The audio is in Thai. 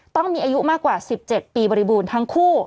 ต้องมีอายุมากกว่า๑๗ปีบริบูรณ์ทั้งคู่